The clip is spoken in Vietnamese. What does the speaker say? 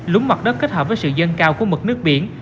lúng mặt đất kết hợp với sự dân cao của mực nước biển